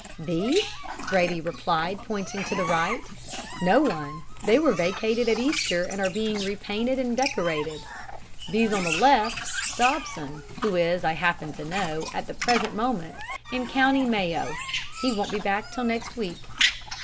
"'These?' Brady replied, pointing to the right. 'No one. They were vacated at Easter, and are being repainted and decorated. These on the left Dobson, who is, I happen to know, at the present moment in Co. Mayo. He won't be back till next week.'